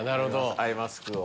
アイマスクを。